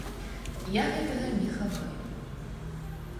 Я гэтага не хаваю.